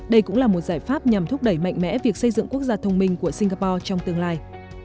đây cũng là một giải pháp nhằm thúc đẩy mạnh mẽ việc xây dựng quốc gia thông minh của singapore trong tương lai